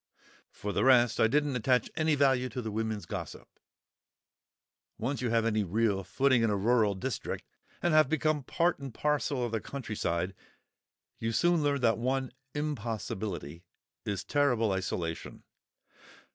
For the rest, I didn't attach any value to the women's gossip. Once you have any real footing in a rural district, and have become part and parcel of the country side, you soon learn that one impossibility is "terrible isolation."